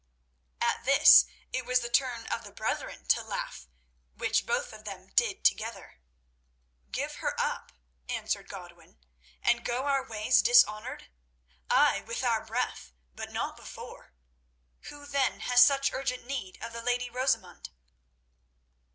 At this it was the turn of the brethren to laugh, which both of them did together. "Give her up," answered Godwin, "and go our ways dishonoured? Aye, with our breath, but not before. Who then has such urgent need of the lady Rosamund?"